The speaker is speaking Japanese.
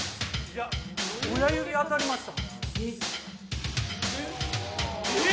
親指当たりました。